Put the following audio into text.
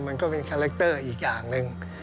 มันก็เป็นคาแรคเตอร์อีกอย่างหนึ่ง